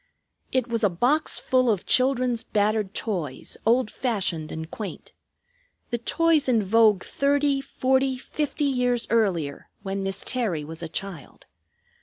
It was a box full of children's battered toys, old fashioned and quaint; the toys in vogue thirty forty fifty years earlier, when Miss Terry was a child.